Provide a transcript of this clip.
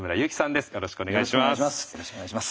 よろしくお願いします。